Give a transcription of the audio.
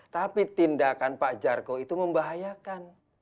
tapi tindakan pak jargo itu membahayakan